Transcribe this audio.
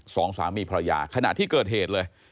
สองสามีภรรยาขณะที่เกิดเหตุเลย